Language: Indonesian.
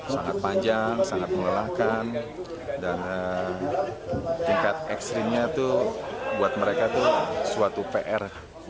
sangat panjang sangat melelahkan dan tingkat ekstrimnya itu buat mereka itu suatu pr